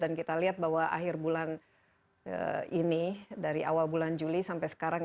dan kita lihat bahwa akhir bulan ini dari awal bulan juli sampai sekarang